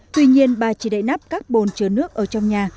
tuy nhiên bà chỉ đậy nắp các bồn chứa nước ở trong nhà